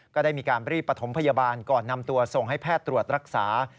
ก็ได้มีการรีบประถมพยาบาลก่อนนำตัวส่งให้แพทย์ตรวจรักษา